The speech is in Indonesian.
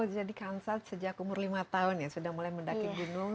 jadi kan saat sejak umur lima tahun ya sudah mulai mendaki gunung